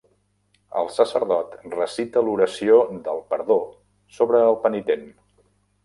El sacerdot recita l'oració del perdó sobre el penitent.